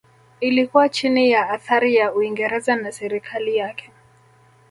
Ilikuwa chini ya athari ya Uingereza na serikali yake